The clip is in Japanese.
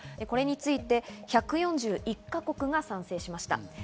これについて１４１か国が賛成しました。